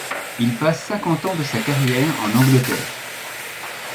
Il passe cinquante ans de sa carrière en Angleterre.